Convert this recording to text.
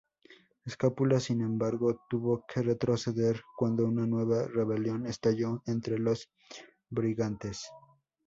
Escápula sin embargo tuvo que retroceder cuando una nueva rebelión estalló entre los brigantes.